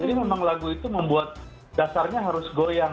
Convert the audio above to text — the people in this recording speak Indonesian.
jadi memang lagu itu membuat dasarnya harus goyang